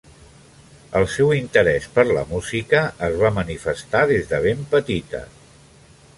El seu interès per la música es va manifestar des de ben petita.